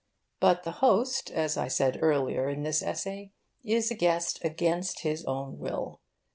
But the host, as I said earlier in this essay, is a guest against his own will.